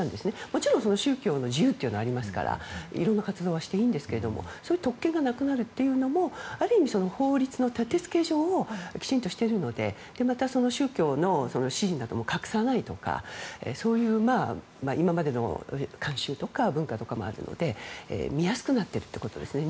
もちろん宗教の自由はありますからいろんな活動はしていいんですけどそういう特権がなくなるというのもある意味、法律の立て付け上きちんとしているのでまた宗教の支持なども隠さないとかそういう今までの慣習とか文化とかもあるので見やすくなっているということですね。